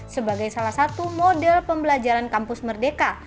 sebagai salah satu model pembelajaran kampus merdeka